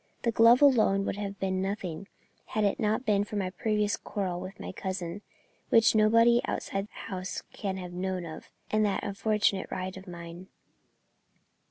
The glove alone would have been nothing, had it not been for my previous quarrel with my cousin which no one outside the house can have known of and that unfortunate ride of mine."